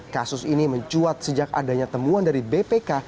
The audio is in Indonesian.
kasus ini mencuat sejak adanya temuan dari bpk